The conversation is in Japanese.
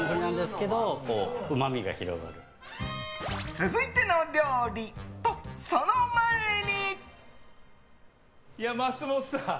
続いてのお料理と、その前に。